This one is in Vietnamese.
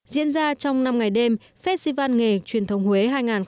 diễn ra trong năm ngày đêm festival nghề truyền thống huế hai nghìn một mươi chín